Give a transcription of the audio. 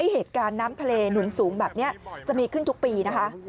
เหตุการณ์น้ำทะเลหนุนสูงแบบนี้จะมีขึ้นทุกปีนะคะ